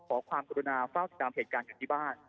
ขอความกรุณาเฝ้าติดตามเหตุการณ์กันที่บ้าน